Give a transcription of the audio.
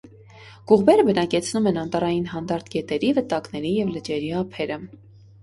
Կուղբերը բնակեցնում են անտառային հանդարտ գետերի, վտակների և լճերի ափերը։